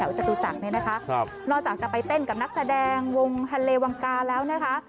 จตุจักรเนี่ยนะคะนอกจากจะไปเต้นกับนักแสดงวงฮันเลวังกาแล้วนะคะ